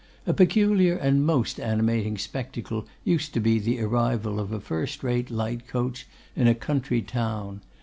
A peculiar and most animating spectacle used to be the arrival of a firstrate light coach in a country town!